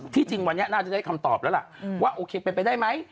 จริงวันนี้น่าจะได้คำตอบแล้วล่ะว่าโอเคเป็นไปได้ไหม